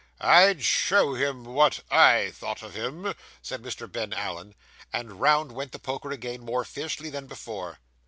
'I'd show him what I thought of him,' said Mr. Ben Allen. And round went the poker again, more fiercely than before.